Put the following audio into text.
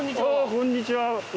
こんにちは。